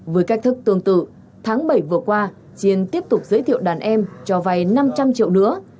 với cách thức tương tự tháng bảy vừa qua chiên tiếp tục giới thiệu đàn em cho vay năm trăm linh triệu nữa